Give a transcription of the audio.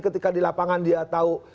ketika di lapangan dia tahu